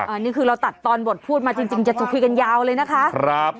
อันนี้คือเราตัดตอนบทพูดมาจริงจะคุยกันยาวเลยนะคะครับ